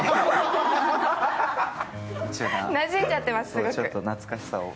なじんじゃってます。